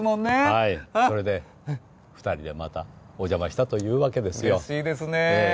これで２人でまたお邪魔したというわけですよ。